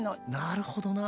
なるほどな。